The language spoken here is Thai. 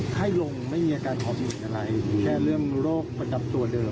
ไข้ลงไม่เมียการขอบคุณอะไรอืมแค่เรื่องโรคประจับตัวเดิม